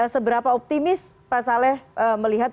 seberapa optimis pak saleh melihat